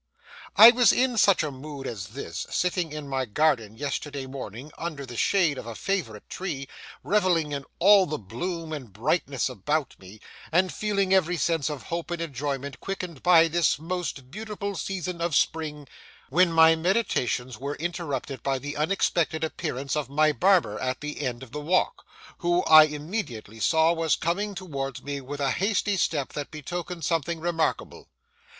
I was in such a mood as this, sitting in my garden yesterday morning under the shade of a favourite tree, revelling in all the bloom and brightness about me, and feeling every sense of hope and enjoyment quickened by this most beautiful season of Spring, when my meditations were interrupted by the unexpected appearance of my barber at the end of the walk, who I immediately saw was coming towards me with a hasty step that betokened something remarkable.